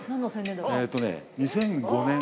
えっとね２００５年。